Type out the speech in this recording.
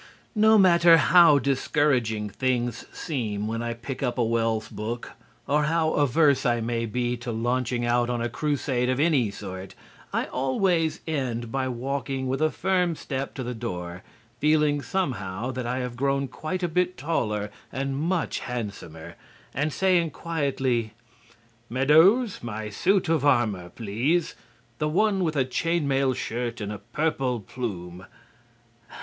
No matter how discouraging things seem when I pick up a Wells book, or how averse I may be to launching out on a crusade of any sort, I always end by walking with a firm step to the door (feeling, somehow, that I have grown quite a bit taller and much handsomer) and saying quietly: "Meadows, my suit of armor, please; the one with a chain mail shirt and a purple plume."